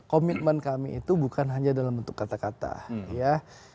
komitmen kami itu bukan hanya dalam bentuk kata kata ya